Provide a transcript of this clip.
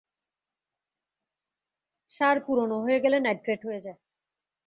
সার পুরোনো হয়ে গেলে নাইট্রেট হয়ে যায়।